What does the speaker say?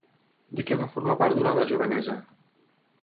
De què va formar part durant la jovenesa?